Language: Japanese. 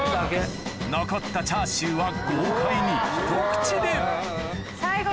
残ったチャーシューは豪快にひと口でうわ。